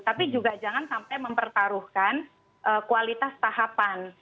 tapi juga jangan sampai mempertaruhkan kualitas tahapan